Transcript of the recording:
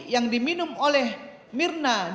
yang diminum oleh mirna